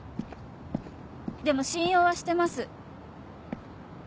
でも信用はしてます。